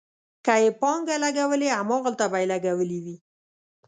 که یې پانګه لګولې، هماغلته به یې لګولې وي.